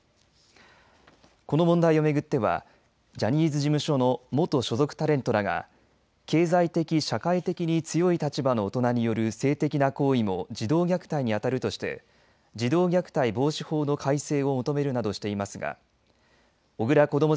この問題を巡ってはジャニーズ事務所の元所属タレントらが経済的・社会的に強い立場の大人による性的な行為も児童虐待に当たるとして児童虐待防止法の改正を求めるなどしていますが小倉こども